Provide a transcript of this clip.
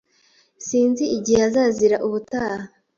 Sinzi igihe azazira ubutaha.